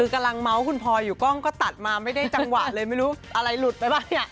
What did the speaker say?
กำลังเมาส์คุณพลอยอยู่กล้องก็ตัดมาไม่ได้จังหวะเลยไม่รู้อะไรหลุดไปป่ะเนี่ย